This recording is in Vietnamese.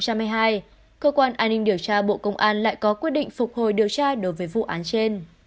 cơ quan an ninh điều tra bộ công an lại có quyết định phục hồi điều tra đối với vụ án trên